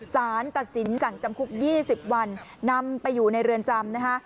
สารตัดสินจำคุก๒๐วันนำไปอยู่ในเรือนจำนะคะ